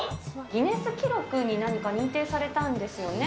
ギネス記録に何か認定されたんですよね。